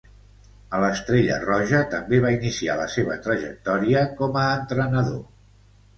A l'Estrella Roja també va iniciar la seva trajectòria com a entrenador.